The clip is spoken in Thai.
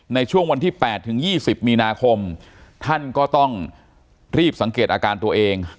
ในช่วงวันที่๘ถึง๒๐มีนาคมท่านก็ต้องรีบสังเกตอาการตัวเอง